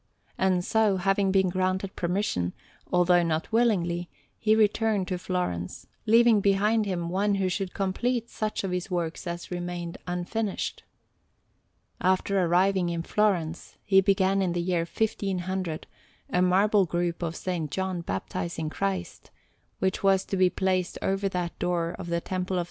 And so, having been granted permission, although not willingly, he returned to Florence, leaving behind him one who should complete such of his works as remained unfinished. After arriving in Florence, he began in the year 1500 a marble group of S. John baptizing Christ, which was to be placed over that door of the Temple of S.